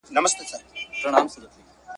د هلکانو لیلیه سمدستي نه لغوه کیږي.